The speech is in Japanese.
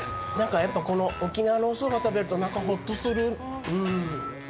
この沖縄のおそば食べるとなんかほっとする。